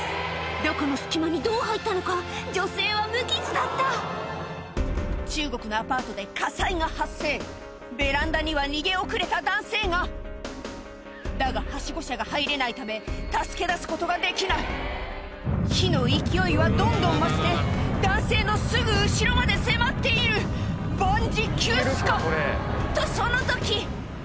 どこの隙間にどう入ったのか女性は無傷だった中国のアパートで火災が発生ベランダには逃げ遅れた男性がだがはしご車が入れないため助け出すことができない火の勢いはどんどん増して男性のすぐ後ろまで迫っている万事休すか⁉とその時！